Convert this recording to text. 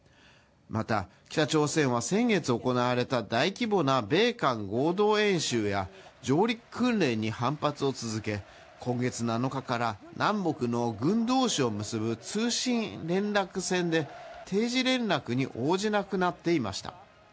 また、北朝鮮は先月行われた大規模な米韓合同演習や上陸訓練に反発を続け今月７日から南北の軍同士を結ぶ通信連絡線で定時連絡に応じなくなっていました。